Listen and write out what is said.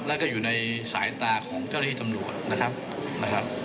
แล้วก็อยู่ในสายตาของเจ้าหน้าที่ตำรวจนะครับนะครับ